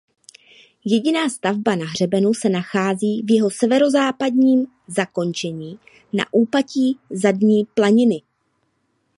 Jediná stavba na hřebenu se nachází v jeho severozápadním zakončení na úpatí Zadní planiny.